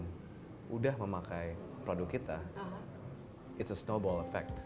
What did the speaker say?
sudah memakai produk kita itu merupakan efek snowball